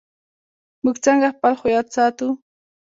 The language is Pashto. موږ څنګه خپل هویت ساتو؟